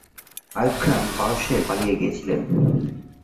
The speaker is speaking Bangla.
আইয়ুব খান পারস্যে পালিয়ে গিয়েছিলেন।